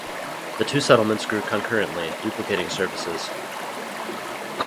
The two settlements grew concurrently, duplicating services.